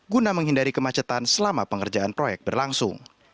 guna menghindari kemacetan selama pengerjaan proyek berlangsung